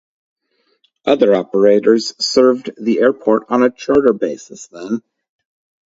Other operators served the airport on a charter basis then.